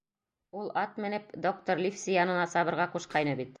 Ул ат менеп доктор Ливси янына сабырға ҡушҡайны бит.